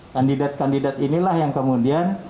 kandidat kandidat inilah yang kemudian